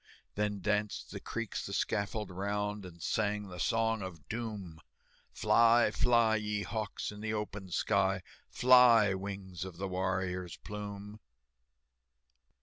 Then danced the Creeks the scaffold round, And sang the Song of Doom, "Fly, fly, ye hawks, in the open sky, Fly, wings of the warrior's plume!"